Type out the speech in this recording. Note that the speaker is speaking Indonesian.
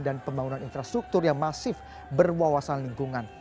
dan pembangunan infrastruktur yang masif berwawasan lingkungan